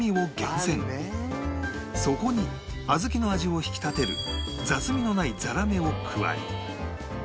そこに小豆の味を引き立てる雑味のないザラメを加え